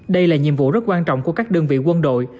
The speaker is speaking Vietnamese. đây là nhiệm vụ rất quan trọng của các đơn vị quân đội